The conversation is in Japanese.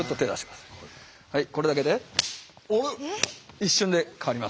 一瞬で変わります。